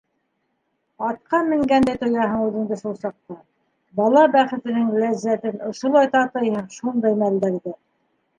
Атҡа менгәндәй тояһың үҙеңде шул саҡта - бала бәхетенең ләззәтен ошолай татыйһың шундай мәлдәрҙә.